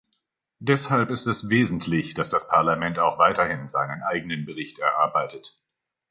Deshalb ist es wesentlich, dass das Parlament auch weiterhin seinen eigenen Bericht erarbeitet.